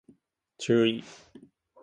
注意